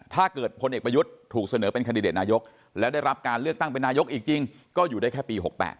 พลเอกประยุทธ์ถูกเสนอเป็นคันดิเดตนายกแล้วได้รับการเลือกตั้งเป็นนายกอีกจริงก็อยู่ได้แค่ปี๖๘